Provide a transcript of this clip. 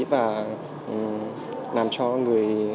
và làm cho người dùng hay người xem